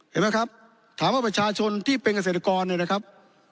เห็นไหมครับถามว่าประชาชนที่เป็นเกษตรกรเนี่ยนะครับ